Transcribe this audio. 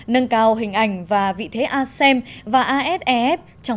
nâng cao hình ảnh và vị thế asem và asef trong thời kỳ mới